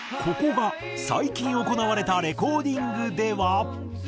ここが最近行われたレコーディングでは。